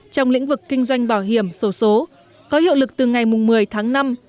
trong lĩnh vực kinh doanh bảo hiểm sổ số có hiệu lực từ ngày một mươi tháng năm